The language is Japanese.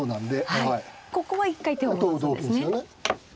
ここは一回手を戻すんですね。